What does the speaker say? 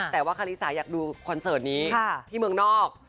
แต่ว่าคาริสาอยากดูคอนเสิร์ตนี้ที่เมืองนอก